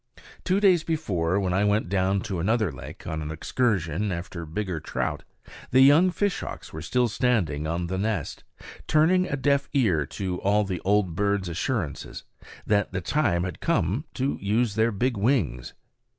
Two days before, when I went down to another lake on an excursion after bigger trout, the young fishhawks were still standing on the nest, turning a deaf ear to all the old birds' assurances that the time had come to use their big wings.